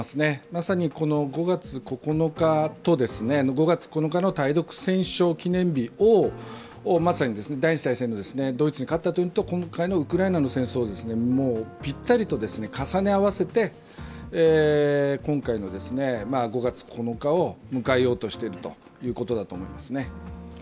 まさに５月９日の対独戦勝記念日を第二次世界大戦のドイツに勝ったということと今回のウクライナの戦争をピッタリと重ね合わせて今回の５月９日を迎えようとしているということだと思いますね。